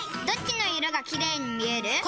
どっちの色がキレイに見える？